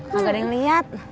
gak ada yang liat